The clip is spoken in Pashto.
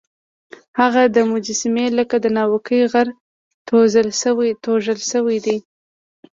هغه مجسمې لکه د ناوکۍ غر توږل سوی وې.